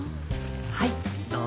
・はいどうぞ。